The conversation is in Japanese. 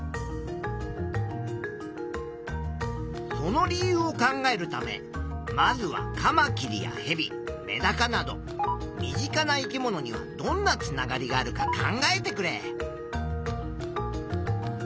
その理由を考えるためまずはカマキリやヘビメダカなど身近な生き物にはどんなつながりがあるか考えてくれ。